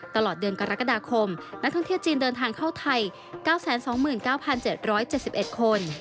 ตลอดเดือนกรกฎาคมนักท่องเที่ยวจีนเดินทางเข้าไทย๙๒๙๗๗๑คน